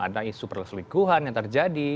ada isu perselingkuhan yang terjadi